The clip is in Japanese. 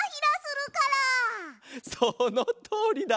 そのとおりだ！